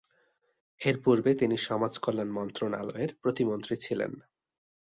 এরপূর্বে তিনি সমাজকল্যাণ মন্ত্রণালয়ের প্রতিমন্ত্রী ছিলেন।